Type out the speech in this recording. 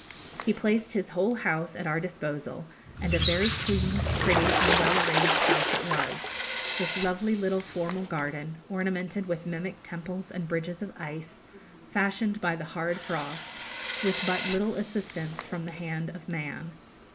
He placed his whole house at our disposal, and a very clean, pretty, and well arranged house it was, with a lovely little formal garden, ornamented with mimic temples and bridges of ice, fashioned by the hard frost, with but little assistance from the hand of man.